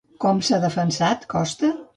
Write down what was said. Com s'ha defensat Costa?